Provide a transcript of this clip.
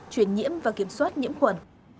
chuyển nhiễm và kiểm soát nhiễm khuẩn